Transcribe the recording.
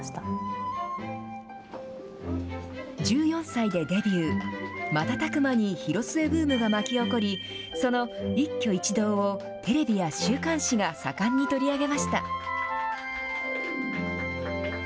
１４歳でデビュー、瞬く間にヒロスエブームが巻き起こり、その一挙一動をテレビや週刊誌が盛んに取り上げました。